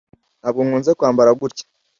ntabwo nkunze kwambara gutya.